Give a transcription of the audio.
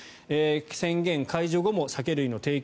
宣言解除後も酒類の提供